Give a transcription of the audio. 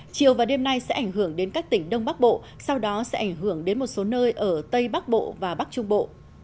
chiều và đêm nay sẽ ảnh hưởng đến các tỉnh đông bắc bộ sau đó sẽ ảnh hưởng đến một số nơi ở tây bắc bộ và bắc trung bộ